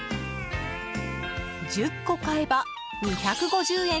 １０個買えば、２５０円。